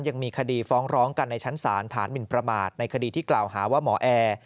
ยังมีคดีฟ้องร้องกันในชั้นศาลฐานหมินประมาทในคดีที่กล่าวหาว่าหมอแอร์